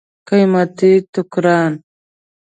قیمتي ټوکران.